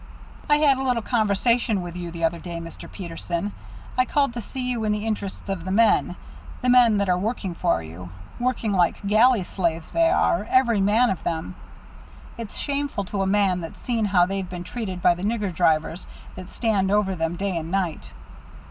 "I had a little conversation with you the other day, Mr. Peterson. I called to see you in the interests of the men, the men that are working for you working like galley slaves they are, every man of them. It's shameful to a man that's seen how they've been treated by the nigger drivers that stands over them day and night."